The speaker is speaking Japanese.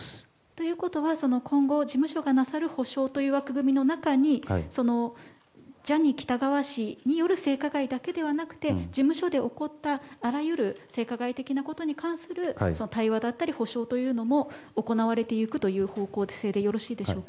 ということは今後事務所がなさる補償という枠組みの中にジャニー喜多川氏による性加害だけではなくて事務所で起こったあらゆる性加害的なことに対する対話だったり補償というのも行われていくという方向性でよろしいでしょうか？